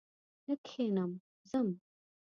نه کښېنم ځم!